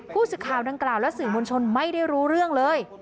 ผู้สื่อข่าวดังกล่าวและสื่อมวลชนไม่ได้รู้เรื่องเลย